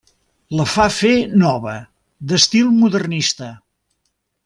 La fa fer nova, d'estil modernista.